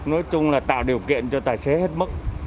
nói chung là tạo điều kiện cho tài xế hết mức